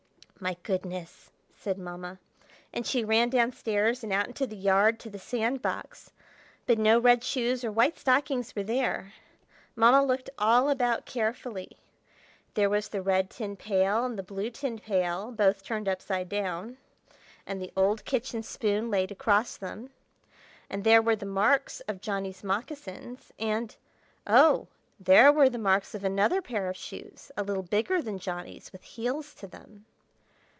"My goodness!" said Mamma. And she ran down stairs and out into the yard to the sand box. But no red shoes or white stockings were there. Mamma looked all about carefully. There was the red tin pail, and the blue tin pail, both turned upside down, and the old kitchen spoon laid across them. And there were the marks of Johnny's moccasins, and—oh! there were the marks of another pair of shoes, a little bigger than Johnny's, with heels to them.